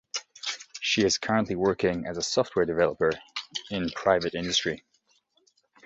She is currently working as a software developer in private industry.